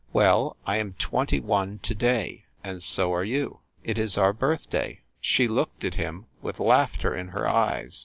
Well, I am twenty one to day and so are you. It is our birthday!" She looked at him with laughter in her eyes.